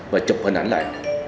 và chụp hình ảnh lại